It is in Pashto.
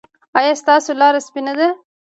ایا ستاسو لاره سپینه ده؟